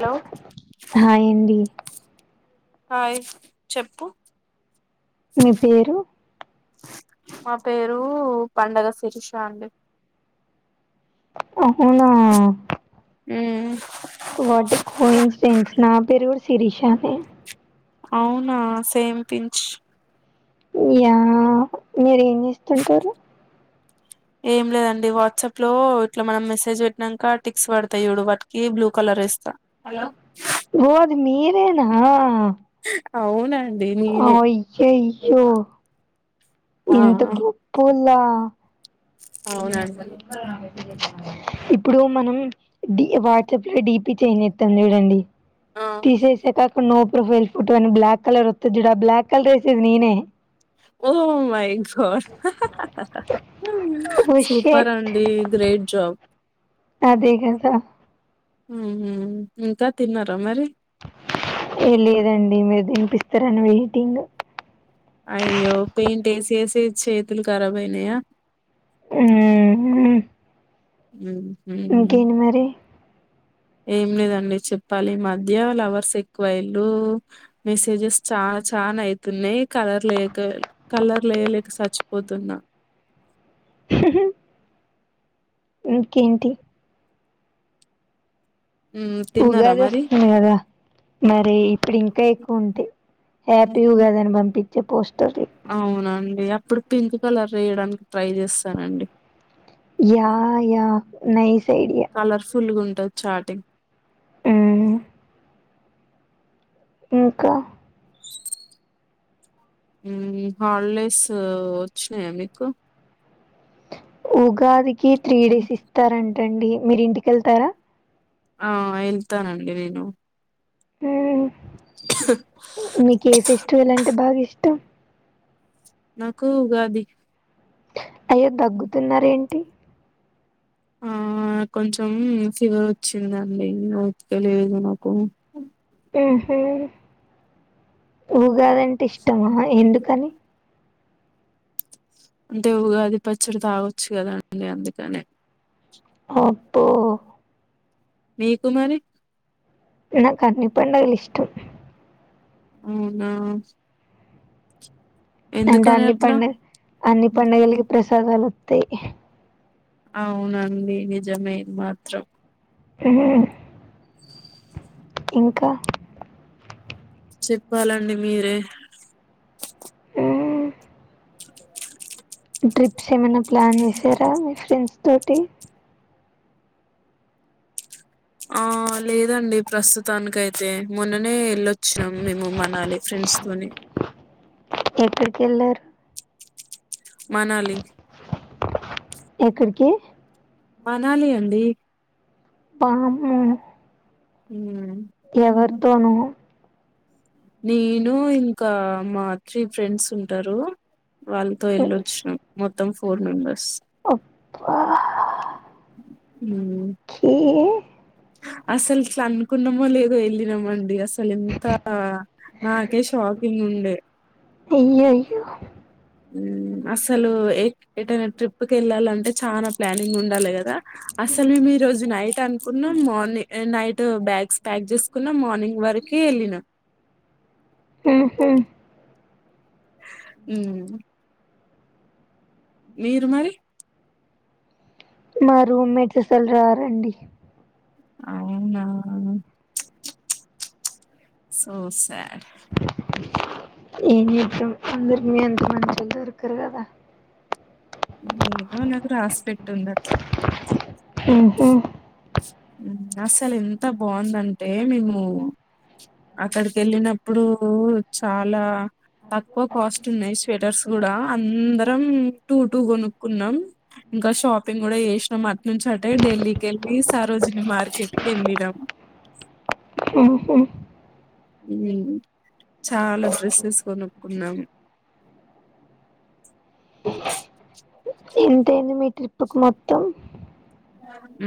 Hello hi అండి hi చెప్పు మీ పేరు మా పేరు పండగ శిరీష అండి అవునా ఉ వాట్ ఎ కోఇన్సిడెన్స్ నా పేరు కూడ శిరీష నే అవునా సేమ్ పించ్ యా మీరు ఏం చేస్తుంటారు ఏం లేదండి వాట్సాప్ లో ఇట్లా మనం మెసేజ్ పెట్టినంక టిక్స్ పడతాయి చూడు వాటికి బ్లూ కలరేస్ ఓది మీదే నె ఆ అవునా అయ్యయ్యో ఆ ఇంత గొప్పొళ్ళ అవునండి ఇప్పుడు మనం డి వాట్సాప్ లో డిప్ పీత ఏం చేస్తాందో చూడండి ఆ తీసేసాక అక్కడ నో ప్రొఫైల్ ఫోటో అని బ్లాక్ కలర్ వస్తది చూడు ఆ బ్లాక్ కలర్ వేసేది నేనే oh my God oh super షట్ అండి గ్రేట్ జాబ్ అదే కదా ఉహు ఇంకా తిన్నారా మరి ఏ లేదు అండి మీరు తినిపిస్తారని వెయిటింగ్ అయ్యో పెయింట్ ఏసి ఏసి చేతులు ఖరాబ్ అయినాయా యూ యూ ఉ ఇంకేంటి మరి ఏం లేదండి చెప్పాలి ఈ మధ్య లవర్స్ ఎక్కువాయులు మెసేజెస్ చానా చానా అయితున్నాయి కలర్లు వేయలేక చచ్చిపోతున్నా హోహో ఇంకేంటి హ్మ్. తిన్నారా ఉగాది మరి వస్తుంది కదా మరి ఇప్పుడు ఇంకా ఎక్ ఉంటి హ్యాపీ ఉగాది అని పంపించ పోస్టర్ లు అవునండి అప్పుడు పింక్ కలర్ రెయడానికి ట్రై చేస్తానండి yeah yeah nice idea colourful గుంటద్ చాటింగ్ మ్ మ్మ్ ఇంకా మ్మ్ హాలిడేస్ వచ్చినాయా మీకు ఉగాదికి త్రీ డేస్ ఇస్తారంటండి మీరింటికి ఎళ్తారా ఆ ఎళ్తానండి నేను ఊ మీకు ఏ ఫెస్టివల్ అంటే బాగిష్టం నాకు ఉగాది అయ్యో దగ్గుతున్నారేంటి ఆ కొంచెం ఫీవర్ వచ్చిందండి ఉతకలేదు నాకు ఆహా ఊగాదంటే ఇష్టమా ఎందుకని అంటే ఉగాది పచ్చడి తాగొచ్చు కదాండి అందుకనే అప్పో మీకు మరి నాకన్ని పండగలిష్టం అవునా అంటే ఎందుకని అన్ని అట్లా పండగ్ అన్ని పండగలకి ప్రసాదాలొత్ తే అవునండి నిజమేది మాత్రం తా ఇంకా చెప్పాలండి మీరే ఆ డ్రిట్స్ ఏమైనా ప్లాన్ చేసారా మీ ఫ్రెండ్స్ తోటి ఆ లేదండి ప్రస్తుతానికైతే మొన్ననే ఎళ్ళొచ్చినం మేము మనాలి ఫ్రెండ్స్ తోని. ఎక్కడికెళ్ళారు మనాలి ఎక్కడికి మనాలి అండి బాపుము నింగి జరగాలి ఎవరితోను నేను ఇంకా మా త్రీ ఫ్రెండ్స్ ఉంటారు వాళ్ళతో ఎళ్ళొచ్చునం మొ మొత్తం ఫోర్ మెంబర్స్ అప్పా ఉ కే అసలు ఇట్ల అనుకున్నమో లేదో వెళ్ళినామండి అసలు అసలు ఎంత నాకే షాకింగ్ ఉండే అయ్యయ్యో ఉ అసలు ఏ ఏటైనా ట్రిప్ కేళ్ళాలంటే చానా ప్లానింగ్ ఉండాలే కదా అసలు మేము ఈ రోజు నైట్ అనుకున్నాం మార్నింగ్ నైట్ బ్యాగ్స్ ప్యాక్ చేసుకున్నాం మార్నింగ్ వరకు కి వెళ్లినా ఆహ ఉ మీరు మరి మా రూమ్మేట్స్ అసల్ రారు రండి అవునా సో సాడ్ ఏంచేతవ్ అందరి నీయంత మంచోళ్ళు దొరకరు కదా ఏదో నాకు రాసి పెట్టుంది అట్లా మ్హూ. ఉమ్ అస్సలు ఎంత బాగుందంటే మేము అక్కడికెళ్ళినప్ ఇప్పుడు చాలా తక్కువ కాస్ట్ ఉన్నాయి స్వెటర్స్ కూడా అందరు తం టూ టూ కొనుక్కున్నాం ఇంకా షాపింగ్ కూడా చేసినాం అటు నుంచి అంటే ఢిల్లీ కేళ్ళి ఈ సరోజీని మార్కెటు కేళ్ళినం ఓహో ఉమ్ చాలా డ్రెస్సెస్ కొనుక్కున్నాం ఎంతయింది మీ ట్రిపుకు మొత్తం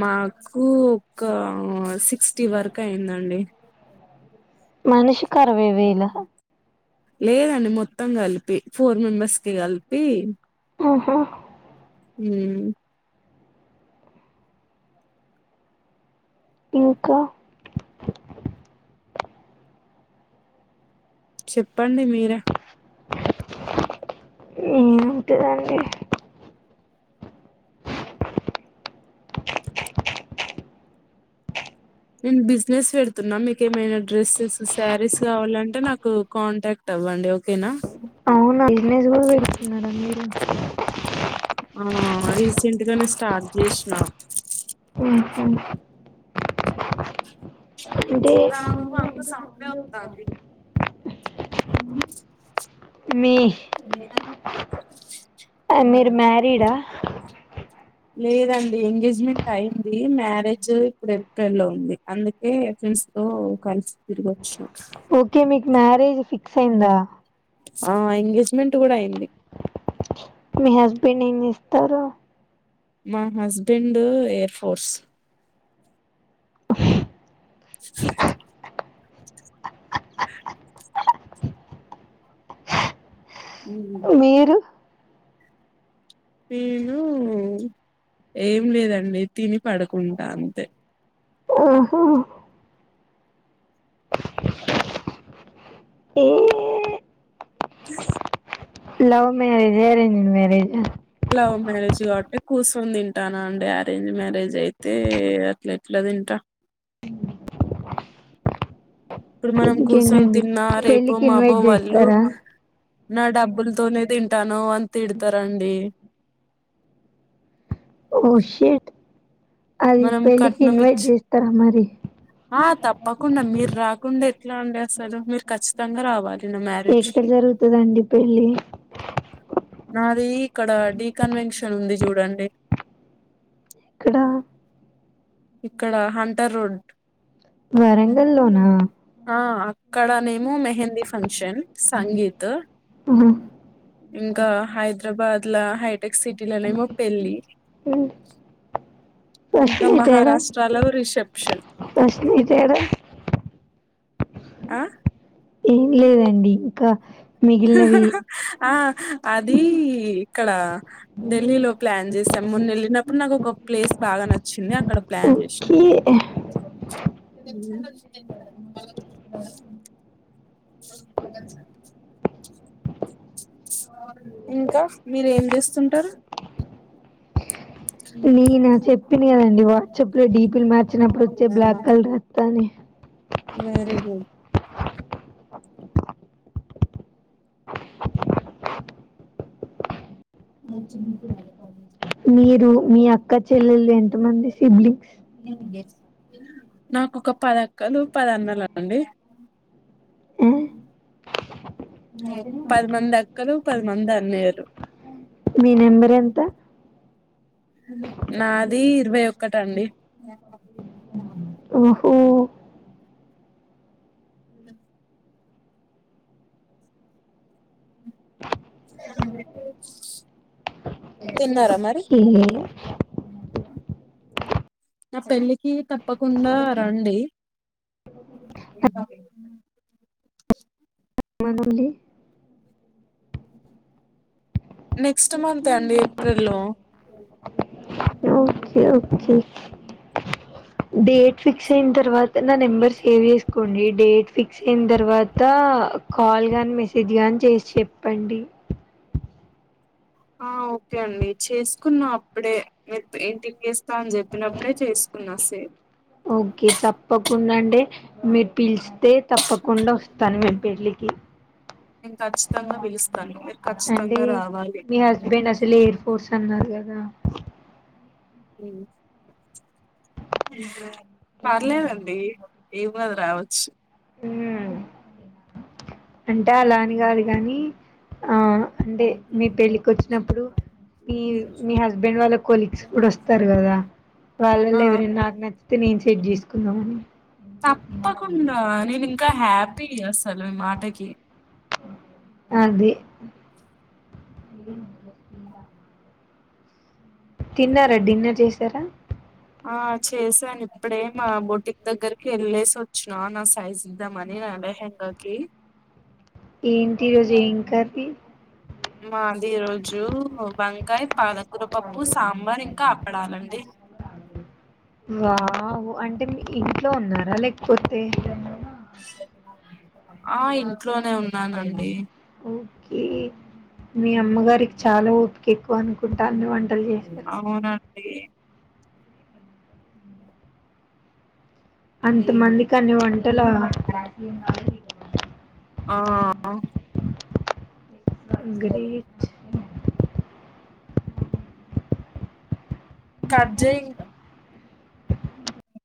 మాకు ఒక సి సిక్స్టీ వరకు అయిందండి మనిషికి ఆరవైవేల లేదండి మొత్తం కలి పి ఫోర్ మెంబర్స్కి కలి టీమ్ ఓహో ఉమ్ ఇంక చెప్పండి మీరే ఆహ్ ఏముంటదండి నేను బిజినెస్ పెడుతున్నా మీకు ఏమైనా డ్రెస్సెస్, శారీస్ కావాలంటే నాకు కాంటాక్ట్ అవ్వండి ఓకేనా అవునా బిజినెస్ కూడా పెడుతున్నారా మీరు చ్ ఉమ్ ఆహా రీసెంట్గానే స్టార్ట్ చేసినా ఉమ్ ఇక్కడ ఏం చెత్తనావ్ అంత సౌండే తన్వీ మీ ఆ మీరు మ్యారీడా లేదండి ఎంగేజ్మెంట్ అయింది. మ్యారేజ్ ఇప్పుడు ఏప్రిల్ లో ఉంది. అందుకే ఫ్రెండ్స్ తో కలిసి తిరుగు ఓకే మీకు మ్యారేజ్ ఫిక్స్ అయిందా ఆ ఎంగేజ్మెంట్ కూడా అయింది. మీ హస్బెండ్ ఏం చేస్తారు మా హస్బెండ్ ఎయిర్ ఫోర్స్ [unintelligible] మీరు నేను ఏం లేదండి తిని పడకుంటా అంతే ఓహో ఏ [unintelligible] love marriage arranged marriage love marriage కావట్టే కూస్ కూర్చొని తింటానా అండి అరేంజ్ మ్యారేజ్ అయితే అట్ల ఎట్ల తింటా ఇప్పుడు మనం కూర్చొని ఇంకేంటండి తిన్నా రేపు పెళ్ళికి మాపో ఇన్వైట్ వాళ్ళు చేస్తారా నా డబ్బులతోనే తింటానావ్ అన్ తిడతరండి ఓ షెట్ అది మనం పెళ్ళికి కట్నం ఇన్వైట్ ఇచ్చి చేస్తారా మరి ట్లా అండి అసలు మీరు ఖచ్చితంగా రావాలి నా మ్యారేజ్ ఎక్కడ కి జరుగుతదండి పెళ్ళి నాది ఈక్కడ డి కన్వెన్షన్ న్ ఉంది చూడండి ఎక్కడ ఇక్కడ హంటర్ రోడ్ వరంగల్లోనా ఆ అక్కడ నేమో మెహందీ ఫంక్షన్ సంగీత్ ఆహా ఇంకా హైదరాబాద్ ట్లా హైట్ హైటెక్ సిటీలో నేమో పెళ్లి ఇంకా మా ఏడ బుల్షిత్ ఆ ఏం లేదండి ఇంకా మిగిలినవి ఆ అది ఇక్కడ ఢిల్లీలో ప్లాన్ చేసాం ముందు వెళ్ళినప్పుడు నాకు ఒక ప్లేస్ బాగా నచ్చింది అక్కడ ప్లాన్ చేసినాం ఓకే [unintelligible] [inaudible] [inaudible] ఇంకా మీరు ఏం చేస్తుంటారు నేనా చెప్పిన కదండి వాట్సాప్ లో డి పి లు మార్చినప్పుడు వచ్చే బ్లాక్ కలర్ వస్తా అని వెరీ గుడ్ మీరు మీ అ అక్క చెల్లెలు ఎంత మంది సిబ్లింగ్స్ ఏం జేసినావ్ నాకు ఒక పది అక్కలు పది అన్నలు అండి ఆ మ్మ్ పదిమంది అక్కలు పదిమంది అన్నయ్యలు మీ నెంబర్ ఎంత నాది ఇరవై ఒకటి అండి ఓ తిన్నారా మరి ఓకే నా పెళ్ళికి తక్ ప్పకుండా రండి ఆఆ మళ్ళి నెక్స్ట మంత్ అండి ఏప్రిలో ఓకే ఓకే డేట్ ఫిక్స్ అయిన తర్వాత నా నెంబర్ సేవ్ చేసుకోండి. డేట్ ఫిక్స్ చిందర్ ఇవతా కాల్ గాన్ మెసేజ్ గానీ చేసి చేపండి. ఆ ఓకే అండి చేసుకున్నా అప్పుడే మీరు పెయింటింగ్ ఎస్ తన్ చెప్పినప్పుడే చేసుకున్నా సే ఏ మీర్ పిల్చ అదే తప్పకుండా వస్తాను. మీ పెళ్ళికి నేను ఖచ్చితంగా పిలుస్తాను మీరు అండి. ఖచ్చితంగా రావాలి మీ హస్బెండ్ అసలు ఎయిర్ ఫోర్స్ అన్నారు. ఇగా దా హు ఇసజాక్ పర్లేదండి ఏం గాదు రావచ్చు. హు అంటే అలాని గాదు గాని ఆ అంటే మీ పెళ్ళి కోచ్ న్నప్పుడు మీ మీ హస్బెండ్ వాల్క్ కాలిక్స్ ఇప్పుడు వస్తారు కదా. ఆ వాళ్ళలో ఎవరైనా నాకు నచ్చితే నేను సెట్ చేసుకుందామని. తప్పకుండా టాక్యే అది ఎమ్ వడలే తిందమంటే తిన్నారా డిన్నర్ జేశారా. ఆ చేసానిప్ ఇప్పుడే మా బోటింగ్ దగ్గర్ కేలేస్ ఒచ్చిన నా సైజ్ ఇదామని నా లెహగాకి ఏంటి ఈ రోజు ఏ కర్ తీ మాన్ ఈ రోజు వంకాయ్, పాలకూర పప్పు, సాంబార్, ఇంకా ఆప్పడాలండి. లో ఉన్నారా లేకపోతే ఆ ఇంట్లోనే ఉన్నానండి. ఓకే మీ అమ్మగారికి చాలా ఓపిక ఎక్కువ అనుకుంటా అన్ని వంట్ అవునం డి. అంత మందికి అన్నీ వంటలా ఆ ఆ హ్ గ్రేచ్ కట్జెయ్ ఇంకా